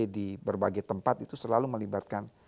di berbagai tempat itu selalu melibatkan